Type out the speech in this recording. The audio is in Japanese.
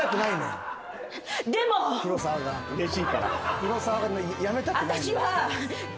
黒沢がやめたくない。